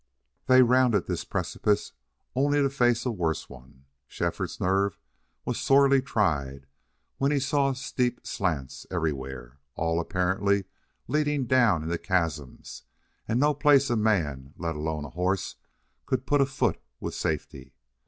They rounded this precipice only to face a worse one. Shefford's nerve was sorely tried when he saw steep slants everywhere, all apparently leading down into chasms, and no place a man, let alone a horse, could put a foot with safety.